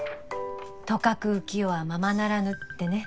「とかく浮世はままならぬ」ってね。